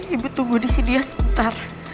ibu tunggu di sidiya sebentar